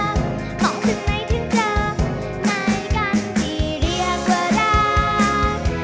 มองถึงในถึงเจอในกันที่เรียกว่ารัก